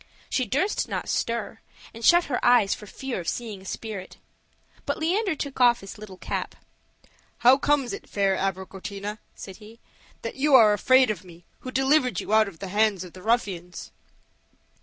She durst not stir, and shut her eyes for fear of seeing a spirit. But Leander took off his little cap. "How comes it, fair Abricotina," said he, "that you are afraid of me, who delivered you out of the hands of the ruffians?"